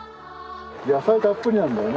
野菜たっぷりなんだよね。